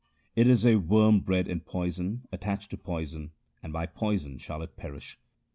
It is a worm bred in poison, attached to poison, and by poison shall it perish.